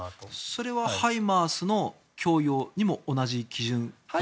それはハイマースの供与にも同じ基準は。